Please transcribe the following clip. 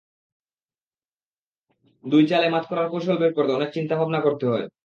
দুই চালে মাত করার কৌশল বের করতে অনেক চিন্তাভাবনা করতে হয়।